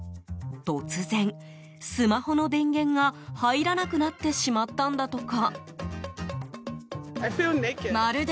突然、スマホの電源が入らなくなってしまったんだとか。